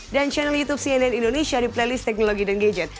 dan channel youtube cnn indonesia di playlist teknologi dan gadget